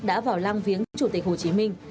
đã vào lang viếng chủ tịch hồ chí minh